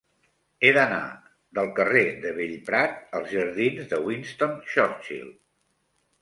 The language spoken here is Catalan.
He d'anar del carrer de Bellprat als jardins de Winston Churchill.